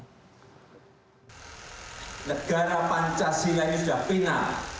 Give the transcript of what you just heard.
negara pancasila ini sudah final